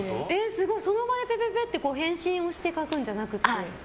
すごい、その場でぺぺぺって返信をするんじゃなくて。